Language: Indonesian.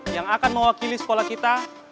yang akan mewakili sekolah kita